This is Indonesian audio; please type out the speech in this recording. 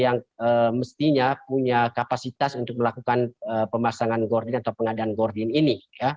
yang mestinya punya kapasitas untuk melakukan pemasangan gordin atau pengadaan gordin ini